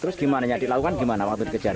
terus gimana dikelakukan gimana waktu dikejar